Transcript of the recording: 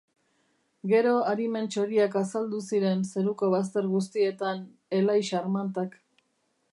Gero arimen txoriak azaldu ziren zeruko bazter guztietan, elai xarmantak.